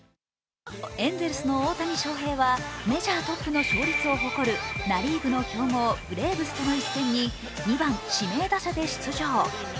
エンゼルスの大谷翔平はメジャートップの勝率を誇るナ・リーグの強豪・ブレーブスとの一戦に２番・指名打者で出場。